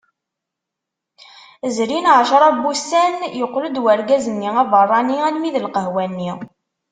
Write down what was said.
Zrin ɛecra n wussan, yeqqel-d urgaz-nni aberrani almi d lqahwa-nni.